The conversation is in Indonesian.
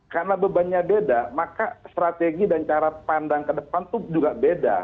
karena bebannya beda maka strategi dan cara pandang ke depan itu juga beda